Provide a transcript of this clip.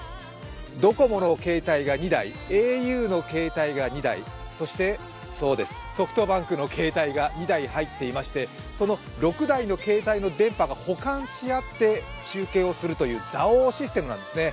ｄｏｃｏｍｏの携帯が２台ａｕの携帯が２台、そしてそうです、ＳｏｆｔＢａｎｋの携帯が２台入っていまして、その６台の携帯の電波が補完し合って中継するというシステムなんですね。